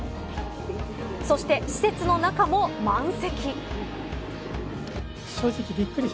そして、施設の中も満席。